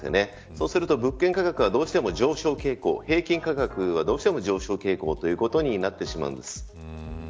そうすると物件価格はどうしても上昇傾向平均価格は、どうしても上昇傾向となってしまうんです。